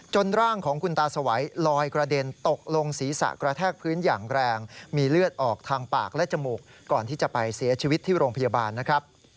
ร่างของคุณตาสวัยลอยกระเด็นตกลงศีรษะกระแทกพื้นอย่างแรงมีเลือดออกทางปากและจมูกก่อนที่จะไปเสียชีวิตที่โรงพยาบาลนะครับ